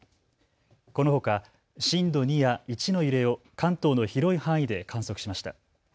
このほか震度２や１の揺れを関東の広い範囲で観測しました。